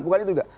bukan itu enggak